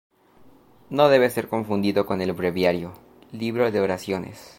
No debe ser confundido con el breviario, libro de oraciones.